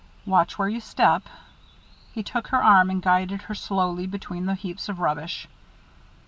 "Watch where you step." He took her arm and guided her slowly between the heaps of rubbish.